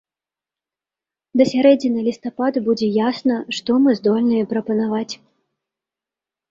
Да сярэдзіны лістапада будзе ясна, што мы здольныя прапанаваць.